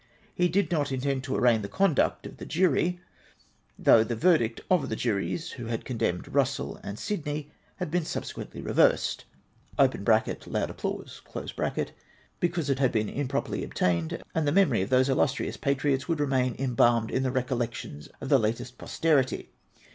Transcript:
He did not intend to arraign the conduct of the jury, though the verdict of the juries who had condemned Eussell and Sidney had been subsequently reversed {loud WESTMINSTEK MEETING. 443 applause), because it had been improperly obtained, and tlie memory of those illustrious patriots would remain embalmed in the recollections of the latest posterity.